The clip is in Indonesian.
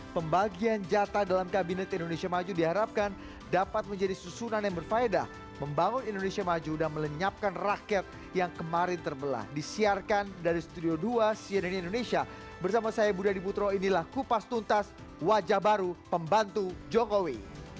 pembagian jata dalam kabinet indonesia maju diharapkan dapat menjadi susunan yang berfaedah membangun indonesia maju dan melenyapkan rakyat yang kemarin terbelah disiarkan dari studio dua cnn indonesia bersama saya budi adiputro inilah kupas tuntas wajah baru pembantu jokowi